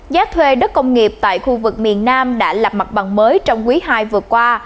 giá thuê đất công nghiệp tại khu vực miền nam đã lập mặt bằng mới trong quý ii vừa qua